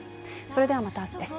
それではまた明日です。